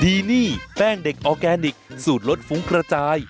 ดีนี่แป้งเด็กออร์แกนิคสูตรรสฟุ้งกระจาย